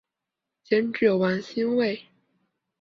监制王心慰。